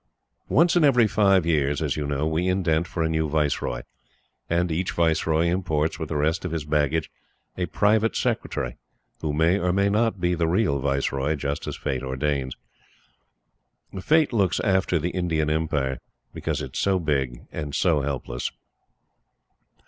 Once in every five years, as you know, we indent for a new Viceroy; and each Viceroy imports, with the rest of his baggage, a Private Secretary, who may or may not be the real Viceroy, just as Fate ordains. Fate looks after the Indian Empire because it is so big and so helpless.